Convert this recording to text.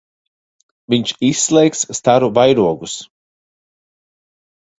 Viņš izslēgs staru vairogus.